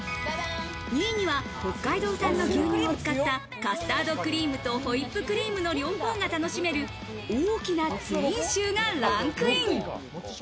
２位には北海道産の牛乳を使ったカスタードクリームとホイップクリームの両方が楽しめる大きなツインシューがランクイン。